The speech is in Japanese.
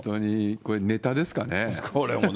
これ、ネタですかね。